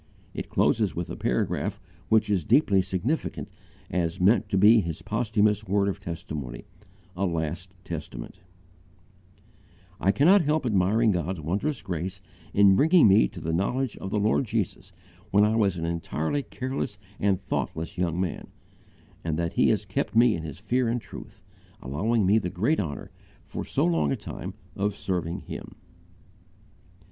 It closes with a paragraph which is deeply significant as meant to be his posthumous word of testimony "a last testament": "I cannot help admiring God's wondrous grace in bringing me to the knowledge of the Lord Jesus when I was an entirely careless and thoughtless young man, and that He has kept me in His fear and truth, allowing me the great honour, for so long a time, of serving Him."